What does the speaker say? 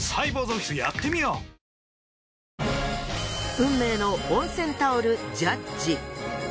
運命の温泉タオルジャッジ。